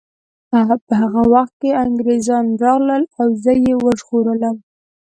په هغه وخت کې انګریزان راغلل او زه یې وژغورلم